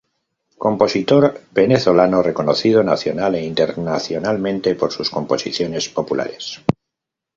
Compositor venezolano reconocido nacional e internacionalmente por sus composiciones populares.